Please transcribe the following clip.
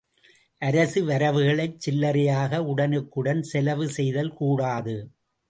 அரசு வரவுகளைச் சில்லறையாக உடனுக்குடன் செலவு செய்தல் கூடாது.